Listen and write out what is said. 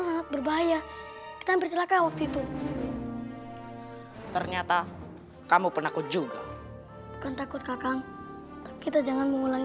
sangat berbahaya kita bersilaka waktu itu ternyata kamu penakut juga takut kakang kita jangan mengulangi